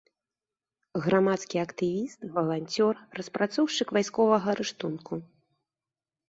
Грамадскі актывіст, валанцёр, распрацоўшчык вайсковага рыштунку.